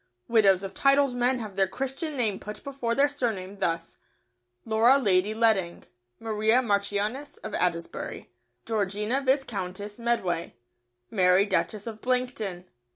Widows of titled men have their Christian name put before their surname, thus, "Laura Lady Ledding," "Maria Marchioness of Adesbury," "Georgina Viscountess Medway," "Mary Duchess of Blankton."